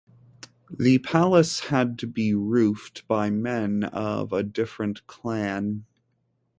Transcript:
The palace had to be roofed by men of a different clan.